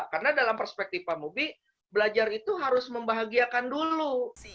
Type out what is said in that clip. karena dalam perspektif pak mubi belajar itu harus membahagiakan dulu